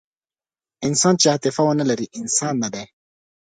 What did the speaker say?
انسان چې عاطفه ونهلري، انسان نهدی.